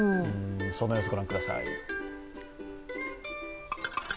その様子、御覧ください。